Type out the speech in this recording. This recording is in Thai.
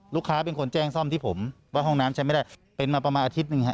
ลูกค้าเป็นคนแจ้งซ่อมที่ผมว่าห้องน้ำใช้ไม่ได้เป็นมาประมาณอาทิตย์หนึ่งฮะ